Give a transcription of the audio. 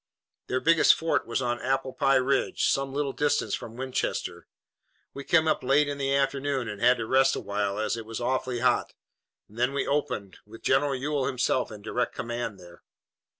Their biggest fort was on Applepie Ridge, some little distance from Winchester. We came up late in the afternoon and had to rest a while, as it was awful hot. Then we opened, with General Ewell himself in direct command there.